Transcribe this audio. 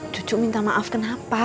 cucu minta maaf kenapa